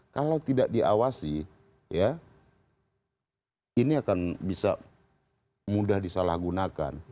kalau tidak diawasi ini akan bisa mudah disalahgunakan